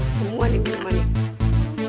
semua nih minuman ini